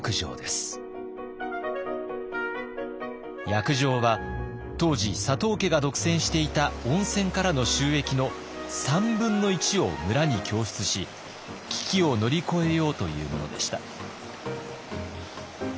約定は当時佐藤家が独占していた温泉からの収益の３分の１を村に供出し危機を乗り越えようというものでした。